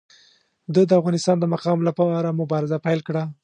ده د افغانستان د مقام لپاره مبارزه پیل کړه.